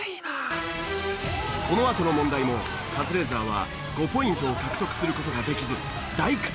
このあとの問題もカズレーザーは５ポイントを獲得する事ができず大苦戦。